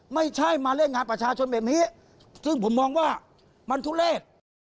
ไม่ใช่มาเล่นงานประชาชนแบบนี้ซึ่งผมมองว่ามันทุเลศ